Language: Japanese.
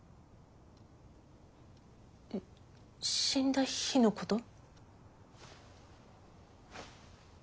死んだ日のこと？